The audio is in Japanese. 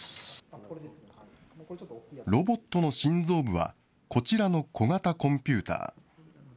ロボットの心臓部はこちらの小型コンピューター。